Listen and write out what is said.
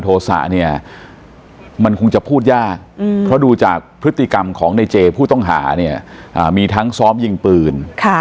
โทษะเนี่ยมันคงจะพูดยากเพราะดูจากพฤติกรรมของในเจผู้ต้องหาเนี่ยมีทั้งซ้อมยิงปืน